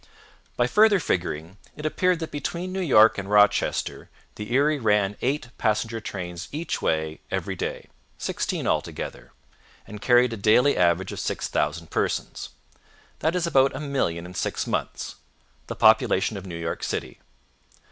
By further figuring, it appeared that between New York and Rochester the Erie ran eight passenger trains each way every day 16 altogether; and carried a daily average of 6,000 persons. That is about a million in six months the population of New York City.